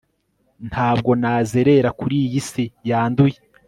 ntabwo nazerera kuri iyi si yanduye